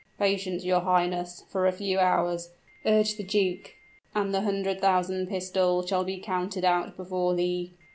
"Patience, your highness, for a few hours," urged the duke, "and the hundred thousand pistoles shall be counted out before thee."